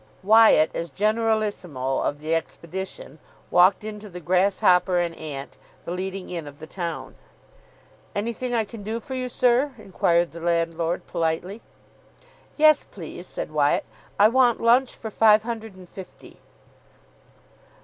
Wyatt, as generalissimo of the expedition, walked into the "Grasshopper and Ant," the leading inn of the town. "Anything I can do for you, sir?" inquired the landlord politely. "Yes, please," said Wyatt, "I want lunch for five hundred and fifty."